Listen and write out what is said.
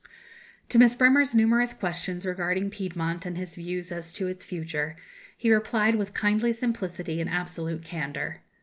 To Miss Bremer's numerous questions regarding Piedmont and his views as to its future, he replied with kindly simplicity and absolute candour.